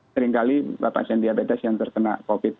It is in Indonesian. seringkali pasien diabetes yang terkena covid sembilan belas